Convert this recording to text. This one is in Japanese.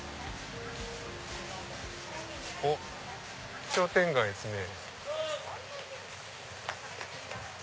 おっ商店街ですね。